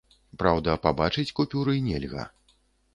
Праўда, пабачыць купюры нельга.